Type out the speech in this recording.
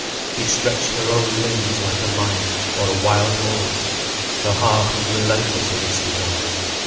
She stretched her own limbs like a lion or a wild horse, her heart was relentless in its desires.